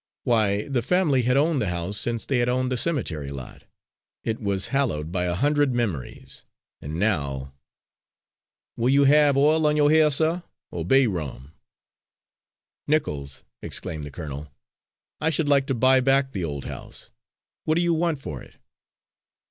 Why, the family had owned the house since they had owned the cemetery lot! It was hallowed by a hundred memories, and now! "Will you have oil on yo' hair, suh, or bay rum?" "Nichols," exclaimed the colonel, "I should like to buy back the old house. What do you want for it?"